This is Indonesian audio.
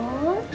namun untuk om